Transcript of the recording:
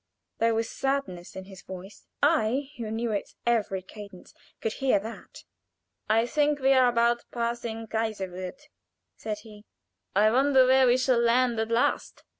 There was sadness in his voice. I, who knew its every cadence, could hear that. "I think we are about passing Kaiserswerth," said he. "I wonder where we shall land at last."